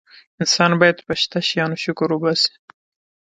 انسان باید په شته شیانو شکر وباسي.